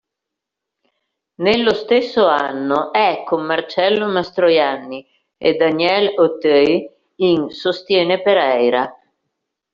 Nello stesso anno è con Marcello Mastroianni e Daniel Auteuil in "Sostiene Pereira".